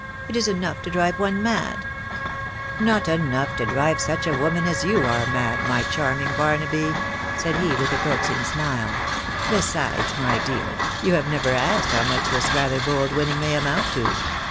It is enough to drive one mad !"" Not enough to drive such a woman as you are, mad, my charming Barnaby," said he, with a coaxing smile. " Besides, my dear, you have never yet asked how much this rather bold winning may amount to.